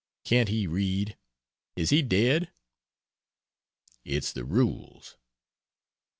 Can't he read? Is he dead?" "It's the rules."